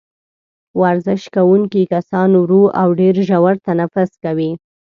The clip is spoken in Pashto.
ورزش کوونکي کسان ورو او ډېر ژور تنفس کوي.